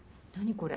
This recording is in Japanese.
これ。